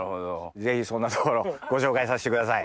ぜひそんなところをご紹介さしてください！